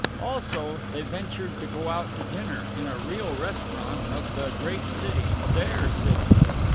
Also they ventured to go out to dinner, in a real restaurant of the great city, their city.